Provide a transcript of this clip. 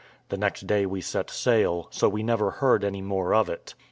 The next day we set sail, so we never heard any more of it.